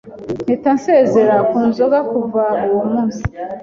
mpita nsezera ku nzoga kuva uwo munsi